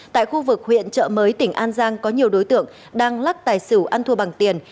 tại khu vực huyện trợ mới tỉnh an giang có nhiều đối tượng đang lắc tài xỉu ăn thua bằng tiền